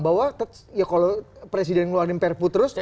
bahwa ya kalau presiden ngeluarin perpu terus